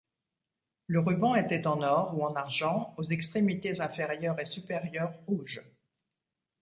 Le ruban était en or ou en argent, aux extrémités inférieures et supérieures rouges.